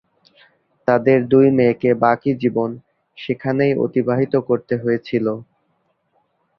তাদের দুই মেয়েকে বাকি জীবন সেখানেই অতিবাহিত করতে হয়েছিল।